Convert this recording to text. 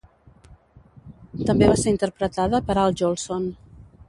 També va ser interpretada per Al Jolson.